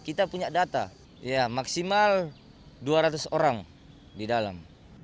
kita punya data maksimal dua ratus orang di dalam